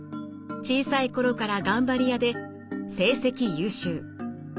小さい頃から頑張り屋で成績優秀。